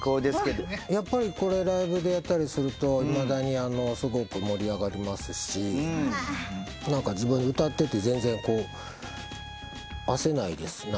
やっぱりこれライブでやったりするといまだにすごく盛り上がりますし自分歌ってて全然あせないです何か。